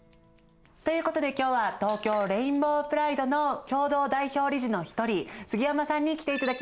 ということで今日は東京レインボープライドの共同代表理事の一人杉山さんに来ていただきました。